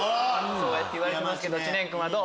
そう言われてますけど知念君はどう？